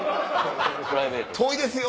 遠いですよ！